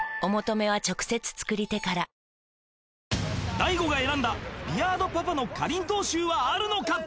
大悟が選んだビアードパパのかりんとうシューはあるのか？